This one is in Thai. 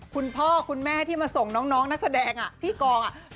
คุณพ่อคุณแม่ที่มาส่งน้องนักแสดงที่กอง